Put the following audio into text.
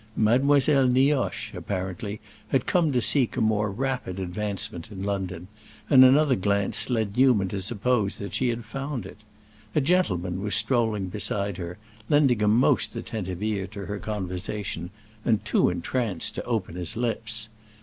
Mademoiselle Nioche, apparently, had come to seek a more rapid advancement in London, and another glance led Newman to suppose that she had found it. A gentleman was strolling beside her, lending a most attentive ear to her conversation and too entranced to open his lips.